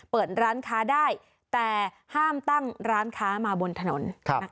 เปิดร้านค้าได้แต่ห้ามตั้งร้านค้ามาบนถนน